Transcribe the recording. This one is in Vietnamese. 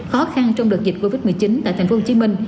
khó khăn trong đợt dịch covid một mươi chín tại tp hcm